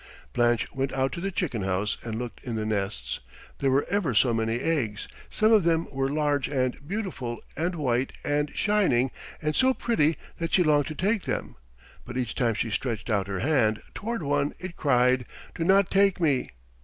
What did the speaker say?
Blanche went out to the chicken house and looked in the nests. There were ever so many eggs; some of them were large and beautiful and white and shining and so pretty that she longed to take them, but each time she stretched out her hand toward one it cried, "Do not take me."